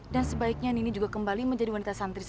dan sebaiknya nini juga kembali menjadi wanita santri seperti saya